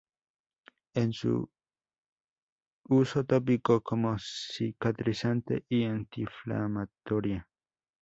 En uso tópico como cicatrizante y antiinflamatoria.